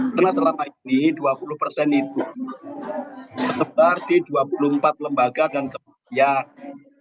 karena selama ini dua puluh itu tersebar di dua puluh empat lembaga dan kebudayaan